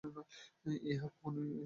ইহা এখনও সম্ভব হইয়া উঠে নাই।